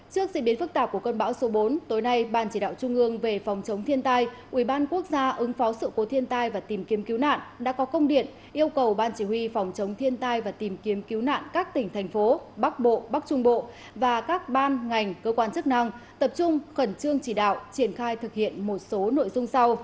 trước diễn biến phức tạp của cơn bão số bốn tối nay ban chỉ đạo trung ương về phòng chống thiên tai ubnd ứng phó sự cố thiên tai và tìm kiếm cứu nạn đã có công điện yêu cầu ban chỉ huy phòng chống thiên tai và tìm kiếm cứu nạn các tỉnh thành phố bắc bộ bắc trung bộ và các ban ngành cơ quan chức năng tập trung khẩn trương chỉ đạo triển khai thực hiện một số nội dung sau